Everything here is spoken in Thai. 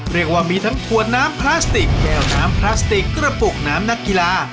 เรียกว่ามีทั้งขวดน้ำพลาสติกแก้วน้ำพลาสติกกระปุกน้ำนักกีฬา